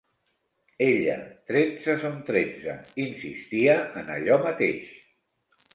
Ella, tretze són tretze, insistia en allò mateix.